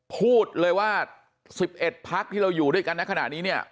พูดเลยว่า๑๑พักที่เราอยู่ด้วยกันในขณะนี้เนี่ย